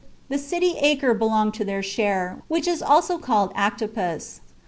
The city Arce belonged to their share, which is also named Actipus.